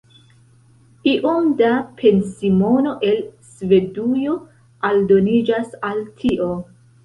Iom da pensimono el Svedujo aldoniĝas al tio.